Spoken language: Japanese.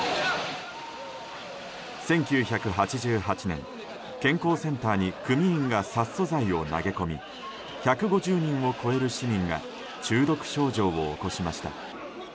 １９８８年健康センターに組員が殺そ剤を投げ込み１５０人を超える市民が中毒症状を起こしました。